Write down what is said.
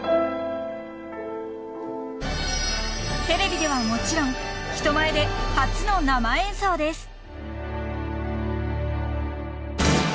［テレビではもちろん人前で初の生演奏です］